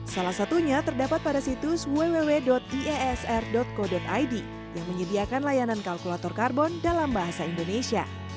salah satunya terdapat pada situs www iesr co id yang menyediakan layanan kalkulator karbon dalam bahasa indonesia